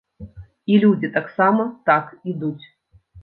І людзі таксама так ідуць.